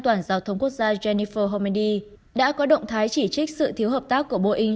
toàn giao thông quốc gia jennifer homendy đã có động thái chỉ trích sự thiếu hợp tác của boeing